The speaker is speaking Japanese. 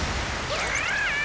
うわ！